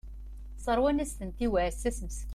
Sseṛwan-as-tent i uɛessas meskin.